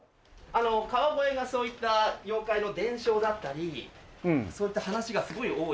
あの川越がそういった妖怪の伝承だったりそういった話がすごい多い町で。